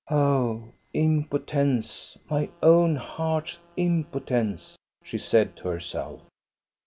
" Oh, impotence, my own heart's impotence !" she said to herself.